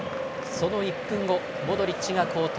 その１分後モドリッチが交代。